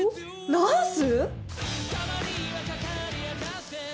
ナース？